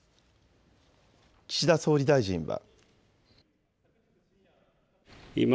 岸田総理大臣は。